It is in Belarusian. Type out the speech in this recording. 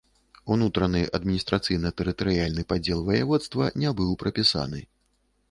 Унутраны адміністрацыйна-тэрытарыяльны падзел ваяводства не быў прапісаны.